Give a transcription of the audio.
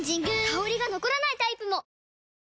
香りが残らないタイプも！